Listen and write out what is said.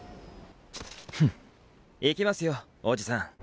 フン行きますよおじさん。